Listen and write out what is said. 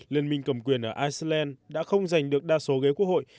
liên minh cầm quyền ở iceland đã không giành được đa số ghế quốc hội